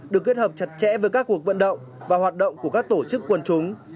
được kết hợp chặt chẽ với các cuộc vận động và hoạt động của các tổ chức quần chúng